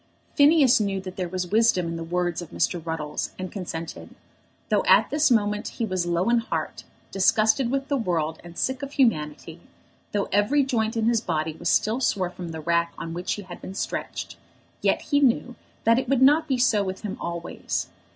Phineas knew that there was wisdom in the words of Mr. Ruddles, and consented. Though at this moment he was low in heart, disgusted with the world, and sick of humanity, though every joint in his body was still sore from the rack on which he had been stretched, yet he knew that it would not be so with him always.